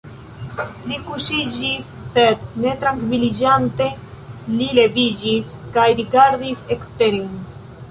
Li kuŝiĝis sed ne trankviliĝante li leviĝis kaj rigardis eksteren.